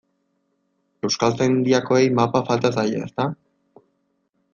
Euskaltzaindiakoei mapa falta zaie, ezta?